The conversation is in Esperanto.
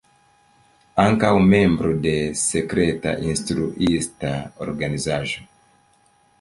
Ankaŭ membro de Sekreta Instruista Organizaĵo.